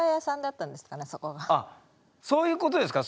あそういうことですか？